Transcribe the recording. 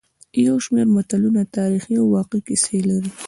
یو شمېر متلونه تاریخي او واقعي کیسې لري